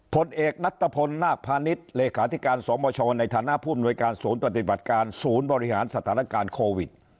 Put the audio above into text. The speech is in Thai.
ผลเอกนัตตะพลนาคพาณิชย์เลขาธิการสมชในฐานะผู้อำนวยการศูนย์ปฏิบัติการศูนย์บริหารสถานการณ์โควิด